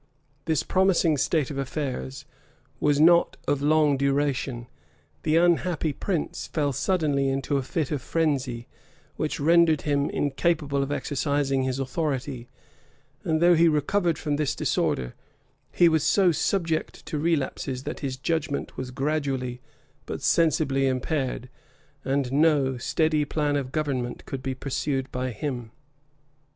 This promising state of affairs was not of long duration: the unhappy prince fell suddenly into a fit of frenzy, which rendered him incapable of exercising his authority; and though he recovered from this disorder, he was so subject to relapses, that his judgment was gradually but sensibly impaired, and no steady plan of government could be pursued by him.